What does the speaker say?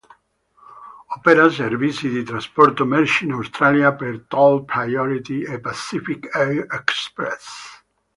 Opera servizi di trasporto merci in Australia per Toll Priority e Pacific Air Express.